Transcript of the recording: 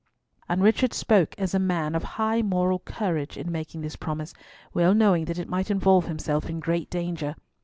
And Richard spoke as a man of high moral courage in making this promise, well knowing that it might involve himself in great danger.